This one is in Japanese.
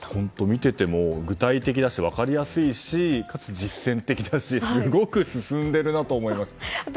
見ていても具体的だし分かりやすいしかつ実践的だしすごく進んでいるなと思います。